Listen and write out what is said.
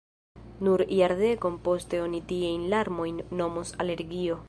Nur jardekon poste oni tiajn larmojn nomos alergio.